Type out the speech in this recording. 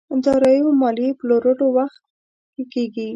داراییو ماليې پلورلو وخت کې کېږي.